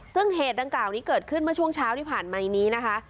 ซึ่งเหตุดังกล่าวนี้เกิดขึ้นเมื่อช่วงเช้าที่ผ่านมานี้นะคะ